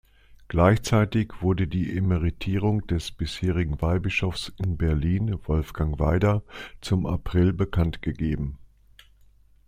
Gleichzeitig wurde die Emeritierung des bisherigen Weihbischofs in Berlin, Wolfgang Weider, zum April bekanntgegeben.